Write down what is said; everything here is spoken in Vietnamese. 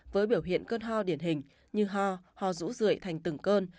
với biểu hiện cơn ho điển hình như ho ho rũ rưỡi thành từng cơn